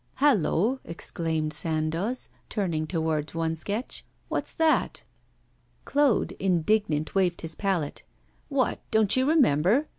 'Hallo!' exclaimed Sandoz, turning towards one sketch, 'what's that?' Claude, indignant, waved his palette. 'What! don't you remember?